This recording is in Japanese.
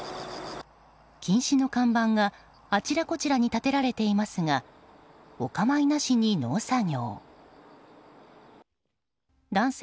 禁止の看板が、あちらこちらに立てられていますがお構いなしに農作業。